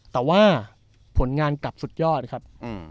แต่ว่าผลงานกลับสุดยอดครับ